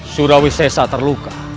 surah wisesa terluka